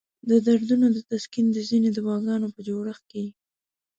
د دردونو د تسکین د ځینو دواګانو په جوړښت کې.